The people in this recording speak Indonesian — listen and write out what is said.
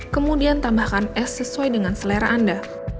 kemudian tambahkan es sesuai dengan selera anda